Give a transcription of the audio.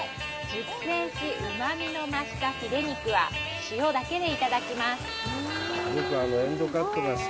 熟成し、うまみを増したフィレ肉は塩だけでいただきます。